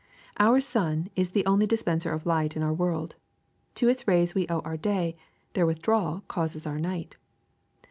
'^Our sun is the only dispenser of light to our world. To its rays we owe our day; their with drawal causes our night.